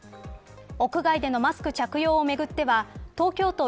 屋外でのマスク着用をめぐっては東京都